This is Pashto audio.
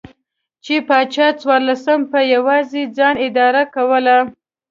چې پاچا څوارلسم په یوازې ځان اداره کوله.